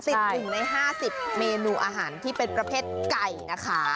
ติดอุ่นใน๕๐เมนูอาหารที่เป็นประเภทไก่นะคะ